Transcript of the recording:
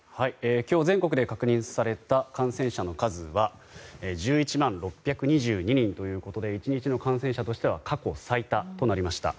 今日全国で確認された感染者の数は１１万６２２人ということで１日の感染者数は過去最多となりました。